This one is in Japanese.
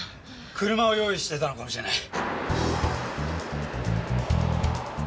車を用意してたのかもしれない。